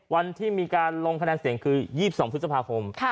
วันที่มีการลงคะแนนเสียงคือ๒๒ศุษย์สัปดาห์คม